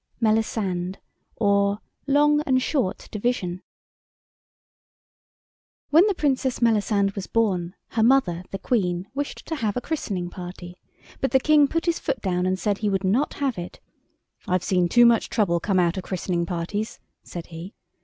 MELISANDE OR, LONG AND SHORT DIVISION WHEN the Princess Melisande was born, her mother, the Queen, wished to have a christening party, but the King put his foot down and said he would not have it. "I've seen too much trouble come of christening parties," said he.